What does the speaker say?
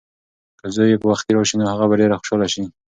که زوی یې وختي راشي نو هغه به ډېره خوشحاله شي.